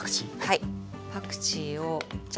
はい。